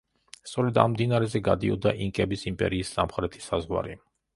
სწორედ ამ მდინარეზე გადიოდა ინკების იმპერიის სამხრეთი საზღვარი.